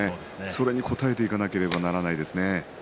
それに応えていかなければならないですね。